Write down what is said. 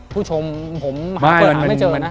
ผู้ชมผมหาคำถามไม่เจอนะ